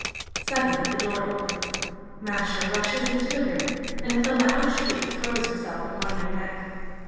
Suddenly the door opens, Masha rushes into the room, and with a loud shriek throws herself upon my neck.